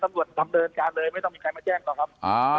ตำรวจดำเนินการเลยไม่ต้องมีใครมาแจ้งหรอกครับ